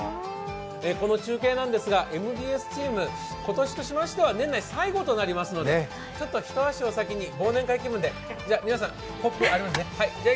この中継なんですが、ＭＢＳチーム、今年としましては年内最後となりますので一足お先に忘年会気分で、じゃ皆さんコップありますね。